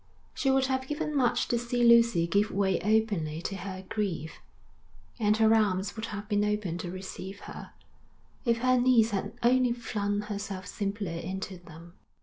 She would have given much to see Lucy give way openly to her grief; and her arms would have been open to receive her, if her niece had only flung herself simply into them.